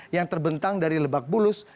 yang terbentang dari lebak bulus